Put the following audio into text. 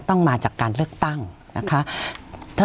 ต้องมาจากการเลือกตั้งนะคะ